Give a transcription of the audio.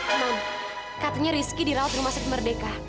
emang katanya rizky dirawat rumah siti merdeka